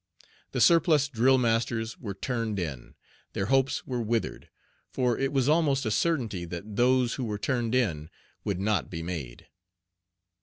The surplus drill masters were "turned in." Their hopes were withered, for it was almost a certainty that those who were "turned in" would not be "made."